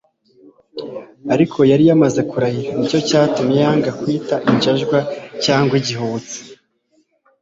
Ariko yari yamaze kurahira, nicyo cyatumye yanga kwitwa injajwa cyangwa igihubutsi.